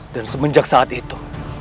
dan semenjak saat itu